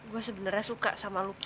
gue sebenernya suka sama lucky